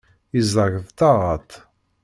Yeẓẓeg-d taɣaḍt.